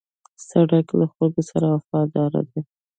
سړک له خلکو سره وفاداره دی.